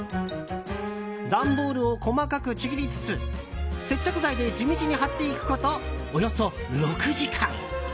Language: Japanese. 段ボールを細かくちぎりつつ接着剤で地道に貼っていくことおよそ６時間。